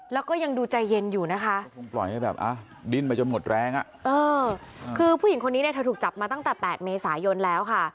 แล้วก็ยังดูใจเย็นอยู่นะคะคือผู้หญิงคนนี้เธอถูกจับมาตั้งแต่๘เมษายนแล้วค่ะ